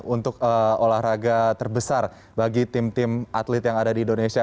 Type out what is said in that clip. untuk olahraga terbesar bagi tim tim atlet yang ada di indonesia